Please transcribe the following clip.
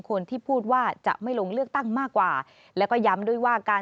คนที่พูดว่าจะไม่ลงเลือกตั้งมากกว่าแล้วก็ย้ำด้วยว่าการ